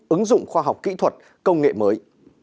ứng dụng khoa học kỹ thuật công nghệ mới